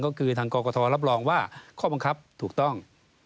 ก็คือทางกรกฐรับรองว่าข้อบังคับถูกต้อง